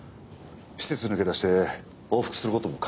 施設抜け出して往復する事も可能です。